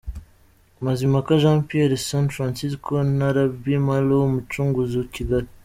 Mazimpaka Jean Pierre - San Francisco na Rabbi Malo Umucunguzi - Kigali.